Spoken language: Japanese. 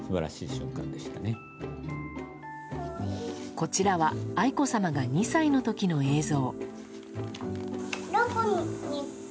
こちらは愛子さまが２歳の時の映像。